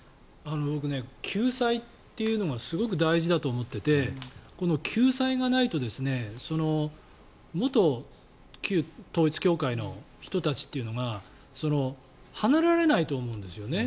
僕ね、救済っていうのがすごく大事だと思ってて救済がないと元旧統一教会の人たちというのが離れられないと思うんですよね